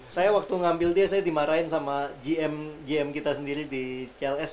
saya waktu ngambil dia saya dimarahin sama gm gm kita sendiri di cls